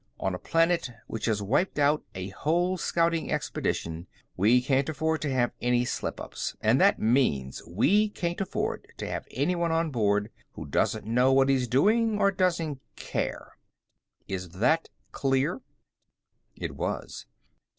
On a planet which has wiped out a whole scouting expedition, we can't afford to have any slip ups. And that means we can't afford to have anyone aboard who doesn't know what he's doing or doesn't care. Is that clear?" It was.